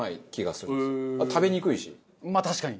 まあ確かに。